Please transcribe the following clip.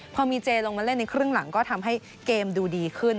พอมีเจลงมาเล่นในครึ่งหลังก็ทำให้เกมดูดีขึ้น